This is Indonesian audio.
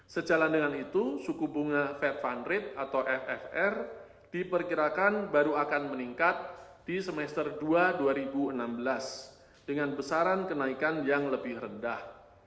sejalan dengan itu suku bunga fed fund rate atau ffr diperkirakan baru akan meningkat di semester dua dua ribu enam belas dengan besaran kenaikan yang lebih rendah